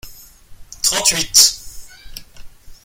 Trente-huit.